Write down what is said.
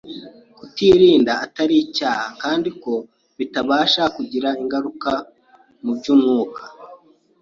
kutirinda atari icyaha, kandi ko bitabasha kugira ingaruka mu by’umwuka.